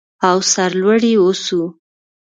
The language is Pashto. او سرلوړي اوسو.